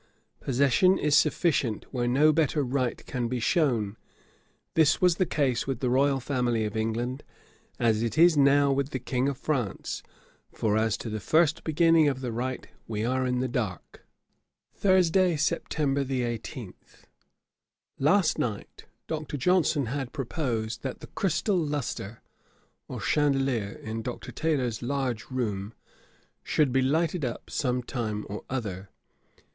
Possession is sufficient, where no better right can be shown. This was the case with the Royal Family of England, as it is now with the King of France: for as to the first beginning of the right, we are in the dark.' Thursday, September 18. Last night Dr. Johnson had proposed that the crystal lustre, or chandelier, in Dr. Taylor's large room, should be lighted up some time or other.